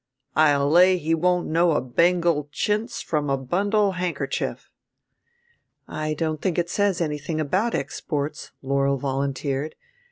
I'll lay he won't know a Bengal chintz from a bundle handkerchief." "I don't think it says anything about exports," Laurel volunteered.